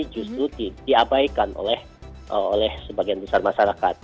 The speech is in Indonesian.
justru diabaikan oleh sebagian besar masyarakat